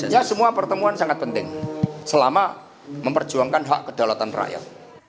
ya semua pertemuan sangat penting selama memperjuangkan hak kedaulatan rakyat